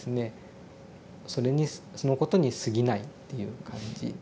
そのことにすぎないっていう感じ。